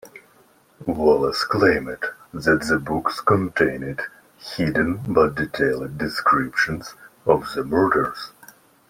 Wallace claimed that the books contained hidden but detailed descriptions of the murders.